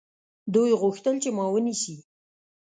دوی غوښتل چې ما ونیسي.